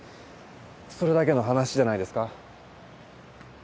それだけの話じゃないですか。